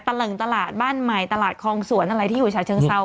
เลิงตลาดบ้านใหม่ตลาดคลองสวนอะไรที่อยู่ฉาเชิงเซา